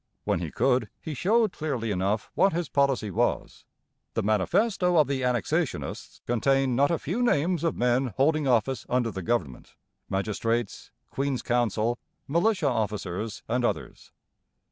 When he could, he showed clearly enough what his policy was. The manifesto of the Annexationists contained not a few names of men holding office under the government, magistrates, queen's counsel, militia officers, and others.